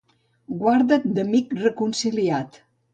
Guarda't d'amic reconciliat.